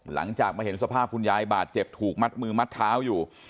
หลังจากมาเห็นสภาพคุณยายบาดเจ็บถูกมัดมือมัดเท้าอยู่